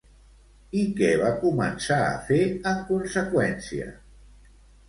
I què va començar a fer en conseqüència?